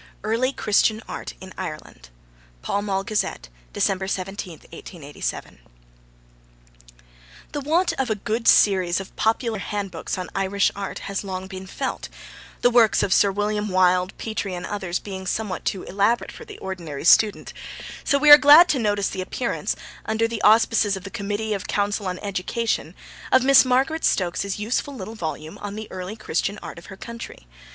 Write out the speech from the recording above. EARLY CHRISTIAN ART IN IRELAND (Pall Mall Gazette, December 17, 1887.) The want of a good series of popular handbooks on Irish art has long been felt, the works of Sir William Wilde, Petrie and others being somewhat too elaborate for the ordinary student; so we are glad to notice the appearance, under the auspices of the Committee of Council on Education, of Miss Margaret Stokes's useful little volume on the early Christian art of her country.